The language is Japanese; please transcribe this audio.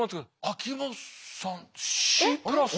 秋元さんＣプラス？